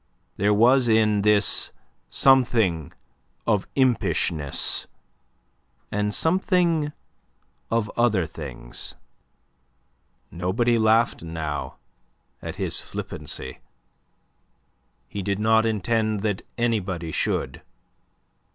There was in this something of impishness, and something of other things. Nobody laughed now at his flippancy. He did not intend that anybody should.